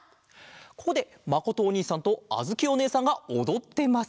ここでまことおにいさんとあづきおねえさんがおどってます。